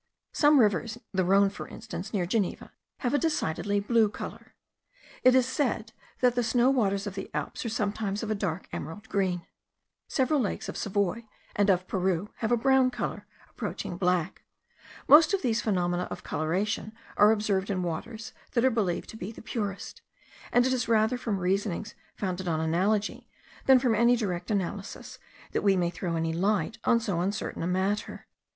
Some rivers, the Rhone for instance, near Geneva, have a decidedly blue colour. It is said, that the snow waters of the Alps are sometimes of a dark emerald green. Several lakes of Savoy and of Peru have a brown colour approaching black. Most of these phenomena of coloration are observed in waters that are believed to be the purest; and it is rather from reasonings founded on analogy, than from any direct analysis, that we may throw any light on so uncertain a matter.